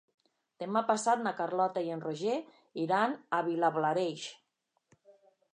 Demà passat na Carlota i en Roger iran a Vilablareix.